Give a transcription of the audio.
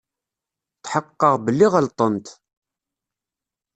Tḥeqqeɣ belli ɣelṭen-t.